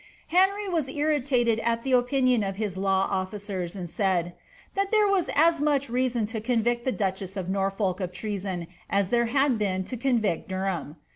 Henry was irritated at the inion of his law officers, and said, '^ That there was as much reason convict the duchess of Norfolk of treason as there had been to con t Derham.